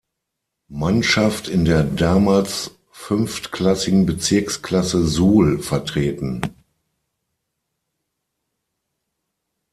Mannschaft in der damals fünftklassigen Bezirksklasse Suhl vertreten.